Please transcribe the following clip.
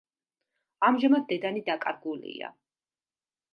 ამჟამად დედანი დაკარგულია.